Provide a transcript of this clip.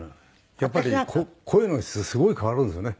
やっぱり声の質がすごい変わるんですよね。